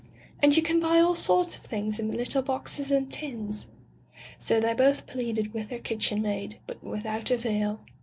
And you can buy all sorts of things in little boxes and tins." So they both pleaded with their kitchen maid, but without avail.